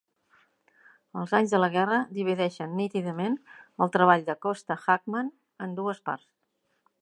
Els anys de la guerra divideixen nítidament el treball de Kosta Hakman en dues parts.